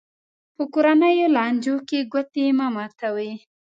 په کورنیو لانجو کې ګوتې مه ماتوي.